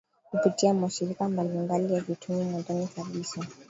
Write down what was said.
kupitia mashirika mablimbali ya kitume Mwanzoni kabisa